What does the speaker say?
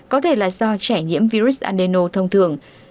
có thể là do trẻ nhiễm virus andeno thông thường